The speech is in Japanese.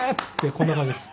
こんな感じです。